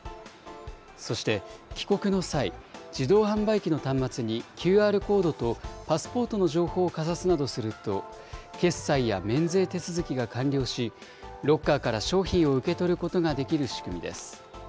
そして帰国の際、自動販売機の端末にＱＲコードとパスポートの情報をかざすなどすると、決済や免税手続きが完了し、ロッカーから商品を受け取ることができる仕組みです。